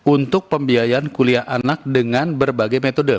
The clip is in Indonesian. untuk pembiayaan kuliah anak dengan berbagai metode